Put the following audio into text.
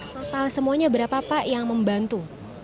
total semuanya berapa pak yang membantu